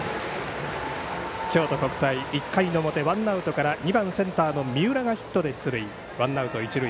京都国際、１回の表ワンアウトから２番、センターの三浦がヒットで出塁。